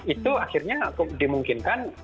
itu akhirnya dimungkinkan